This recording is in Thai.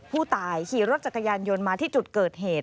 ผู้ตายขี่รถจักรยานยนต์มาที่จุดเกิดเหตุ